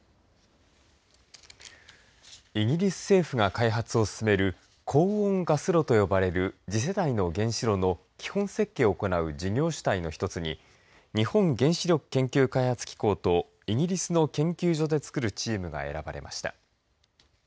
イギリス政府が開発を進める高温ガス炉と呼ばれる次世代の原子炉の基本設計を行う事業主体の一つに日本原子力研究開発機構とイギリスの研究所でつくるチームが選ばれました。